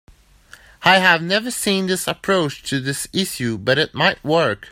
I have never seen this approach to this issue, but it might work.